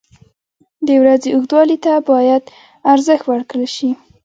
• د ورځې اوږدوالي ته باید ارزښت ورکړل شي.